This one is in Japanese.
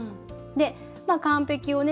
でまあ完璧をね